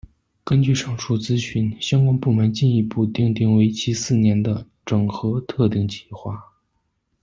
根据上述资讯，相关部门进一步订定为期四年的「整合特定计画」。